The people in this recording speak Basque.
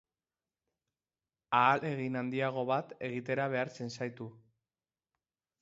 Ahalegin handiago bat egitera behartzen zaitu.